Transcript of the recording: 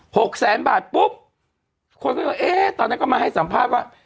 หกแสนบาทปุ๊บคนก็เลยเอ๊ะตอนนั้นก็มาให้สัมภาษณ์ว่า